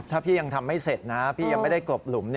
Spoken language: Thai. ถ้าพี่ยังทำไม่เสร็จนะพี่ยังไม่ได้กลบหลุม